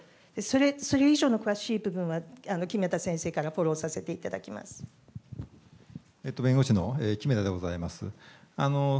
それ以上の詳しい部分は決めた先生からフォローさせていただきま弁護士の木目田でございます。